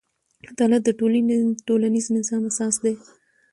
عدالت د ټولنیز نظم اساس دی.